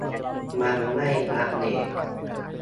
มันไม่อัปเดต